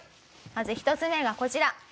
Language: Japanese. まず１つ目がこちら。